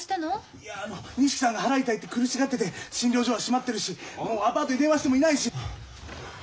いやあの錦さんが腹痛いって苦しがってて診療所は閉まってるしアパートに電話してもいないし。